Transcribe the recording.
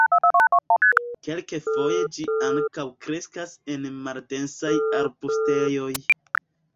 Kelkfoje ĝi ankaŭ kreskas en maldensaj arbustejoj.